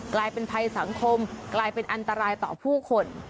กลายเป็นภัยสังคมกลายเป็นอันตรายต่อผู้คน